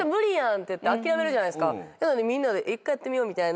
なのにみんなで１回やってみようみたいな。